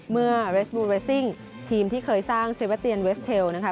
เมื่อทีมที่เคยสร้างนะคะ